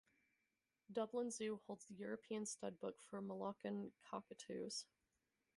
Dublin Zoo holds the European studbook for Moluccan cockatoos.